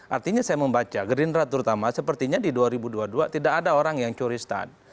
artinya saya membaca gerindra terutama sepertinya di dua ribu dua puluh dua tidak ada orang yang curi start